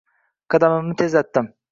Qadamimni tezlatdim